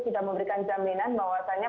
sudah memberikan jaminan bahwasannya